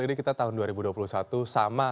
ini kita tahun dua ribu dua puluh satu sama